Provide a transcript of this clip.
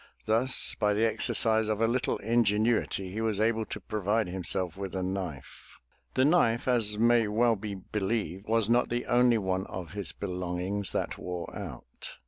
Thus by the exercise of a little ingenuity, he was able to provide himself with a knife. The knife, as may well be believed, was not the only one of his belongings that wore out.